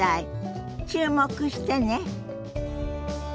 注目してね。